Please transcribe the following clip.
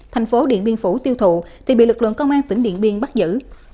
thành phố điện biên phủ tiêu thụ thì bị lực lượng công an tỉnh điện biên bắt giữ